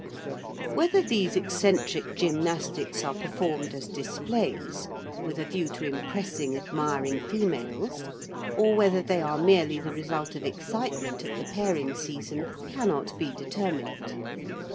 Whether these eccentric gymnastics are performed as displays, with a view to impressing admiring females, or whether they are merely the result of excitement at the pairing season cannot be determined.